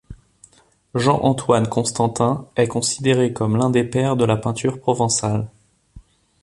Jean-Antoine Constantin est considéré comme l’un des pères de la peinture provençale.